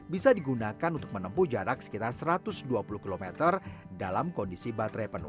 bisa digunakan untuk menempuh jarak sekitar satu ratus dua puluh km dalam kondisi baterai penuh